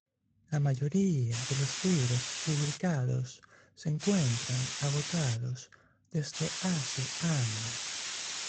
La mayoría de los libros publicados se encuentran agotados desde hace años.